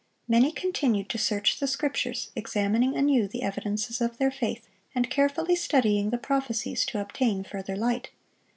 Many continued to search the Scriptures, examining anew the evidences of their faith, and carefully studying the prophecies to obtain further light.